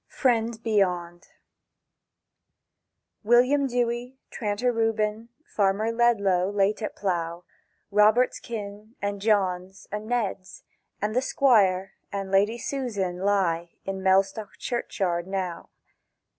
FRIENDS BEYOND WILLIAM DEWY, Tranter Reuben, Farmer Ledlow late at plough, Robert's kin, and John's, and Ned's, And the Squire, and Lady Susan, lie in Mellstock churchyard now!